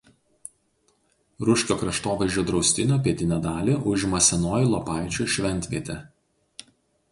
Ruškio kraštovaizdžio draustinio pietinę dalį užima senoji Lopaičių šventvietė.